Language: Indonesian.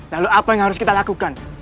lalu apa yang harus kita lakukan